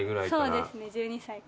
そうですね１２歳から。